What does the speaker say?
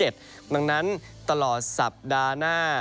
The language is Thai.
ดังนั้นตลอดสัปดาห์หน้า